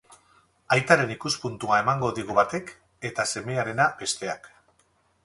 Aitaren ikuspuntua emango digu batek, eta semearena besteak.